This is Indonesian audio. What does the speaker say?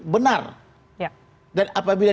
benar dan apabila